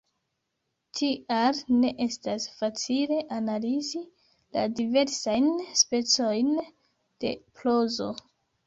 Tial ne estas facile analizi la diversajn specojn de prozo.